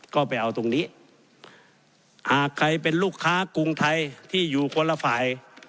ก็ไปเอาตรงนี้หากใครเป็นลูกค้ากรุงไทยที่อยู่คนละฝ่าย